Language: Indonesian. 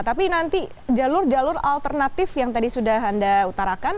tapi nanti jalur jalur alternatif yang tadi sudah anda utarakan